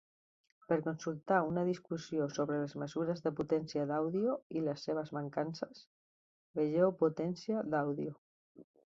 Per consultar una discussió sobre les mesures de potència d'àudio i les seves mancances, vegeu Potència d'àudio.